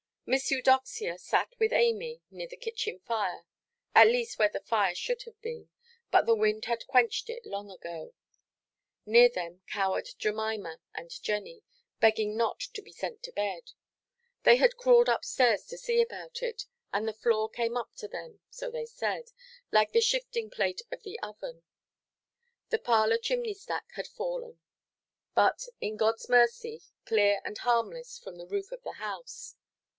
Miss Eudoxia sat with Amy, near the kitchen fire; at least where the fire should have been, but the wind had quenched it long ago. Near them cowered Jemima and Jenny, begging not to be sent to bed. They had crawled up–stairs to see about it, and the floor came up to them—so they said—like the shifting plate of the oven. The parlour chimney–stack had fallen; but, in Godʼs mercy, clear and harmless from the roof of the house.